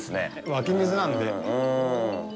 湧き水なんで。